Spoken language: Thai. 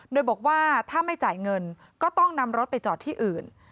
โดยบอกว่าถ้าไม่จ่ายเงินก็ต้องนำรถไปจอดที่อื่น